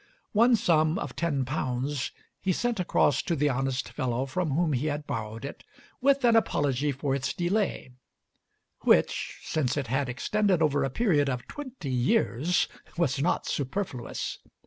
One sum of £10 he sent across to the honest fellow from whom he had borrowed it, with an apology for his delay; which, since it had extended over a period of twenty years, was not superfluous.